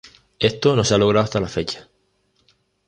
Esto no se ha logrado hasta la fecha.